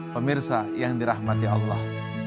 pemirsa yang dirahmati allah